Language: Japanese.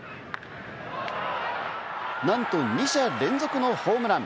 なんと２者連続のホームラン！